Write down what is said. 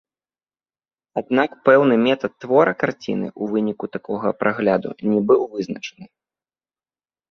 Аднак пэўны метад твора карціны ў выніку такога прагляду не быў вызначаны.